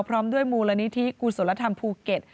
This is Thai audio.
พร้อมด้วยมูลนิธิกุศลธรรมภูเก็ต